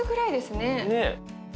ねえ。